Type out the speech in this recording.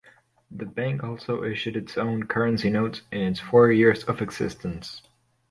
The bank also issued its own currency notes in its four years of existence.